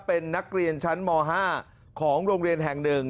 เป็นนักเรียนชั้นม๕ของโรงเรียนแห่ง๑